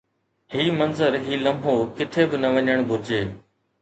هي منظر، هي لمحو ڪٿي به نه وڃڻ گهرجي